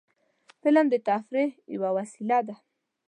فلم د تفریح یوه وسیله ده